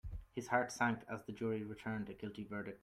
His heart sank as the jury returned a guilty verdict.